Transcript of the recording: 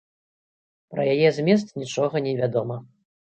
Пра яе змест нічога не вядома.